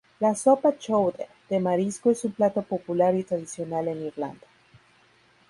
La sopa "chowder" de marisco es un plato popular y tradicional en Irlanda.